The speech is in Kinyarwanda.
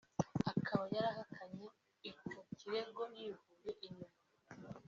akaba yahakanye ico kirego yivuye inyuma